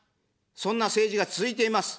そんな政治が続いています。